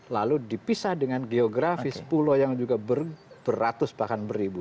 lalu dipisah dengan geografis pulau yang juga beratus bahkan beribu